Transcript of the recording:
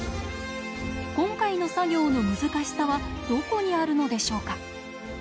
今回の作業の難しさはどこにあるのでしょうか？